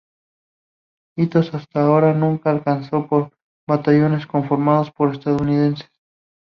Hitos hasta ahora nunca alcanzado por batallones conformados por estadounidenses.